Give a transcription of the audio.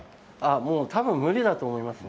もうたぶん無理だと思いますね。